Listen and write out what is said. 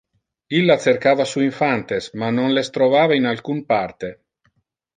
Illa cercava su infantes, ma non les trovava in alcun parte.